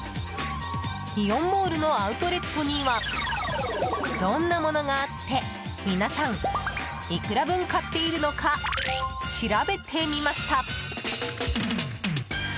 イオンモールのアウトレットにはどんなものがあって皆さん、いくら分買っているのか調べてみました。